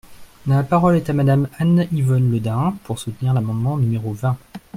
La parole est à Madame Anne-Yvonne Le Dain, pour soutenir l’amendement numéro vingt.